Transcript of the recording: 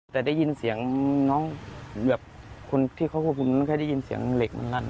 แต่ได้ยินเสียงน้องแบบคนที่เขาควบคุมไม่ค่อยได้ยินเสียงเหล็กมันลั่น